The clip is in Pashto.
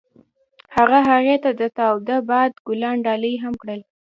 هغه هغې ته د تاوده باد ګلان ډالۍ هم کړل.